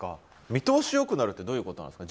「見通し良くなる」ってどういうことなんですか？